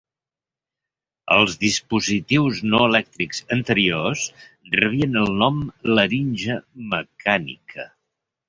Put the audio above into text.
Els dispositius no elèctrics anteriors rebien el nom laringe mecànica.